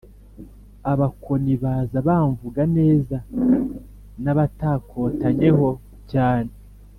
Abakoni baza bamvuga neza, nabakotanyeho cyane,